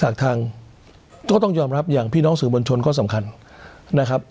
ทางก็ต้องยอมรับอย่างพี่น้องสื่อมวลชนก็สำคัญนะครับ